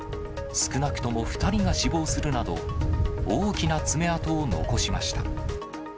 少なくとも２人が死亡するなど、大きな爪痕を残しました。